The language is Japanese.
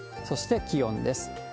そして気温です。